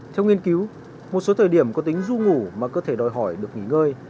theo nghiên cứu một số thời điểm có tính du ngủ mà cơ thể đòi hỏi được nghỉ ngơi